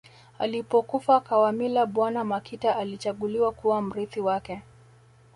Alipokufa Kawamila bwana Makita alichaguliwa kuwa mrithi wake